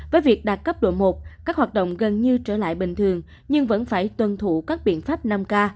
với việc đạt cấp độ một các hoạt động gần như trở lại bình thường nhưng vẫn phải tuân thủ các biện pháp năm k